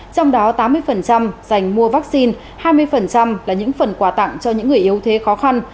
trong đó tám mươi dành mua vaccine hai mươi là những phần quà tặng cho những người yếu thế khó khăn